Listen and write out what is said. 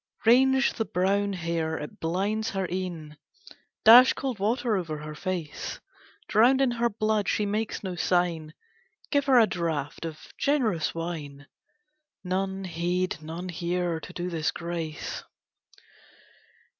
Range the brown hair, it blinds her eyne, Dash cold water over her face! Drowned in her blood, she makes no sign, Give her a draught of generous wine. None heed, none hear, to do this grace.